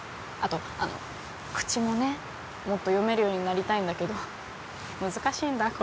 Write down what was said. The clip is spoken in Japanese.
あとあの口もねもっと読めるようになりたいんだけど難しいんだ